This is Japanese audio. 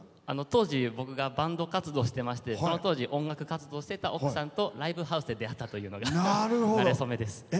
当時僕がバンド活動してましてその当時、音楽活動していた奥さんとライブハウスで出会ったというのがなれそめです。